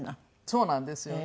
そうなんですよ。